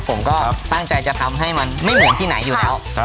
ผมก็สร้างใจจะทำให้มันไม่หมุนที่ไหนอยู่แล้วครับ